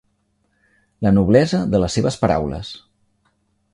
La noblesa de les seves paraules.